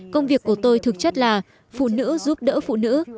công việc của tôi thực chất là phụ nữ giúp đỡ phụ nữ